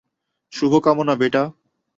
শুভকামনা, বেটা।